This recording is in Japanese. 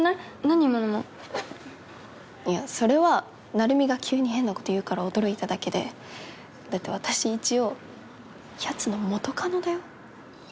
何今の間いやそれは成海が急に変なこと言うから驚いただけでだって私一応やつの元カノだよ